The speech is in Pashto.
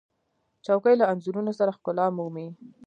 چوکۍ له انځورونو سره ښکلا مومي.